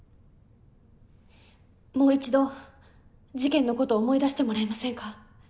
もう一度事件のことを思い出してもらえませんか？